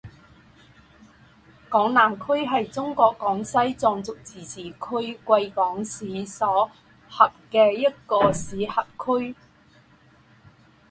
港南区是中国广西壮族自治区贵港市所辖的一个市辖区。